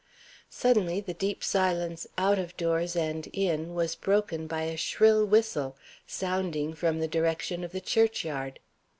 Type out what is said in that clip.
Suddenly the deep silence out of doors and in was broken by a shrill whistle, sounding from the direction of the church yard.